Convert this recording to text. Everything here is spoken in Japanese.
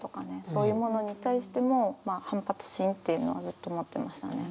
そういうものに対しても反発心っていうのはずっと持ってましたね。